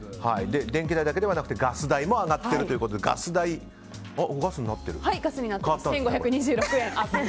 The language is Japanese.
電気代だけではなく、ガス代も上がっているということでガスになってます。